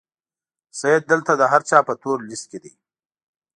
سید دلته د هر چا په تور لیست کې دی.